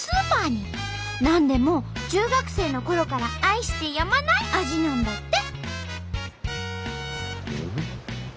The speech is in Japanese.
なんでも中学生のころから愛してやまない味なんだって！